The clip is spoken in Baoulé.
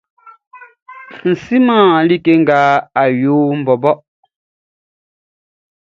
N siman like nga n yoliʼn bɔbɔ.